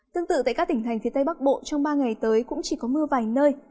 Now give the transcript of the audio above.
tương tự tại các tỉnh thành phía tây bắc bộ trong ba ngày tới cũng chỉ có mưa vài nơi